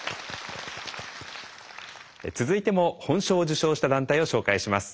続いても本賞を受賞した団体を紹介します。